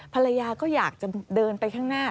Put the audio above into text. ภรรยาก็อยากจะเดินไปข้างหน้า